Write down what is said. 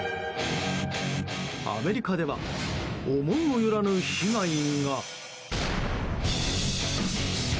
アメリカでは思いもよらぬ被害が。